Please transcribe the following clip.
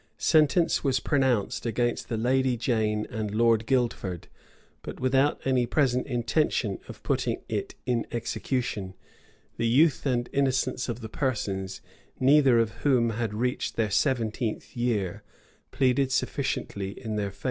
Sentence was pronounced against the lady Jane and Lord Guildford, but without any present intention of putting it in execution. The youth and innocence of the persons, neither of whom had reached their seventeenth year, pleaded sufficiently in their favor.